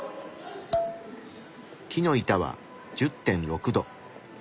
木の板は１０．６℃。